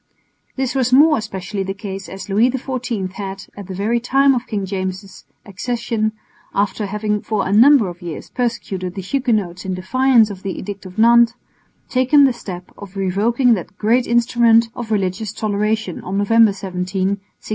This was more especially the case as Louis XIV had, at the very time of King James' accession, after having for a number of years persecuted the Huguenots in defiance of the Edict of Nantes, taken the step of revoking that great instrument of religious toleration on November 17, 1685.